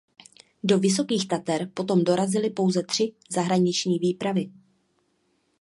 Do Vysokých Tater potom dorazily pouze tři zahraniční výpravy.